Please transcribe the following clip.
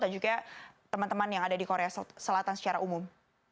dan juga teman teman yang ada di korea selatan secara umum